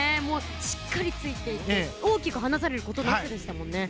しっかりついていて大きく離されることなくでしたもんね。